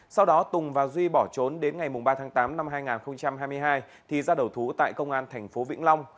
sau đó tùng và duy bỏ trốn đến ngày ba tháng tám năm hai nghìn hai mươi hai thì ra đầu thú tại công an tp vĩnh long